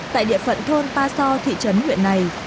tại địa phận thôn pa so thị trấn huyện này